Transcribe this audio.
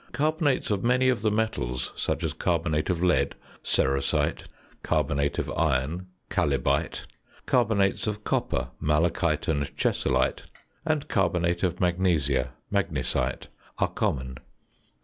Carbonates of many of the metals, such as carbonate of lead (cerussite), carbonate of iron (chalybite), carbonates of copper (malachite and chessylite), and carbonate of magnesia (magnesite), are common.